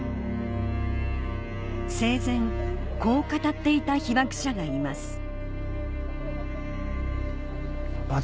生前こう語っていた被爆者がいます